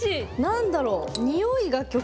何だろう。